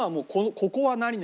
「ここは何々」